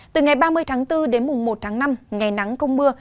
từ ngày ba mươi tháng bốn đến mùng một tháng năm ngày nắng không mưa